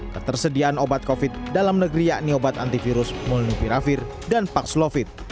ketersediaan obat covid dalam negeri yakni obat antivirus molnupiravir dan pakslovid